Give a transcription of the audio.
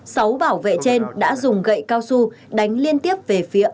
sáu bảo vệ trên đã dùng gậy cao su đánh liên tiếp về phía